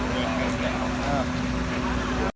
เราก็ถ่ายนิดขับเบียงรถไปนิดนึง